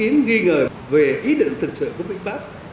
nghi ngờ về ý định thực sự của vinfast